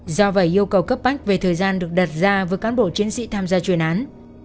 do vậy yêu cầu cấp bách về thời gian được đặt ra với cán bộ chiến sĩ tham gia chuyên án